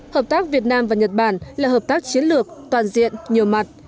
hợp tác việt nam và nhật bản là hợp tác chiến lược toàn diện nhiều mặt